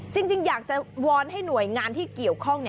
จริงอยากจะวอนให้หน่วยงานที่เกี่ยวข้อง